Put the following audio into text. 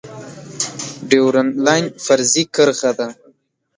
ډیورنډ لاین فرضي کرښه ده